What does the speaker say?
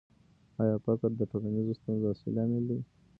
آیا فقر د ټولنیزو ستونزو اصلي لامل دی؟